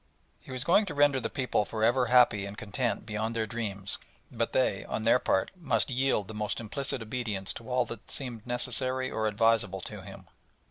He was going to render the people for ever happy and content beyond their dreams, but they, on their part, must yield the most implicit obedience to all that seemed necessary or advisable to him.